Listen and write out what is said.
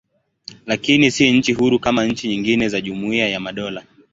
Lakini si nchi huru kama nchi nyingine za Jumuiya ya Madola.